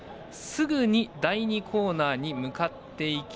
すぐに第２コーナーに向かっていき